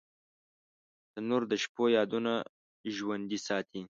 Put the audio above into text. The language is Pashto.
تنور د شپو یادونه ژوندۍ ساتي